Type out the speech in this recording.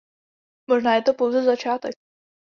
Možná je to pouze začátek.